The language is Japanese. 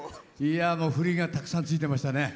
振りがたくさんついてましたね。